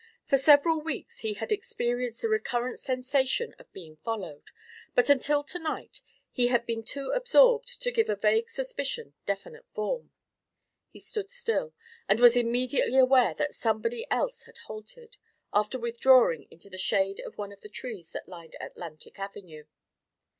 For several weeks he had experienced the recurrent sensation of being followed, but until to night he had been too absorbed to give a vague suspicion definite form. He stood still, and was immediately aware that somebody else had halted, after withdrawing into the shade of one of the trees that lined Atlantic Avenue.